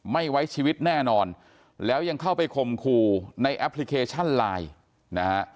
ไม่ไว้ชีวิตแน่นอนแล้วยังเข้าไปคมคู่ในแอปพลิเคชันไลน์นะฮะ